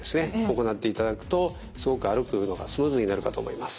行っていただくとすごく歩くのがスムーズになるかと思います。